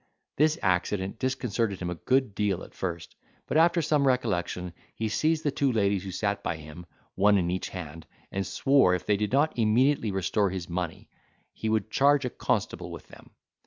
This accident disconcerted him a good deal at first; but after some recollection, he seized the two ladies who sat by him, one in each hand, and swore if they did not immediately restore his money he would charge a constable with them.